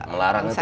melarang itu udah